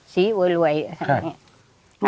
สีหวยอ่ะค่ะ